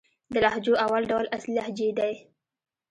د لهجو اول ډول اصلي لهجې دئ.